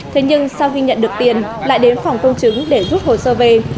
thế nhưng sau khi nhận được tiền lại đến phòng công chứng để rút hồ sơ về